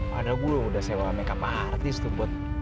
padahal gue udah sewa makeup artis tuh buat